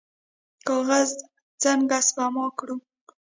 کاغذ څنګه سپما کړو؟